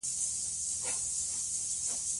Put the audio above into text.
ډیجیټل بانکوالي د یوې پرمختللې ټولنې نښه ده.